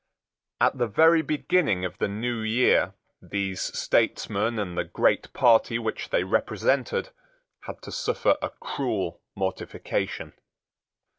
At the very beginning of the new year these statesmen and the great party which they represented had to suffer a cruel mortification.